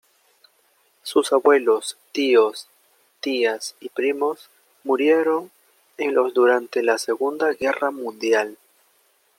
Sus abuelos, tíos, tías y primos murieron en los durante la Segunda Guerra Mundial.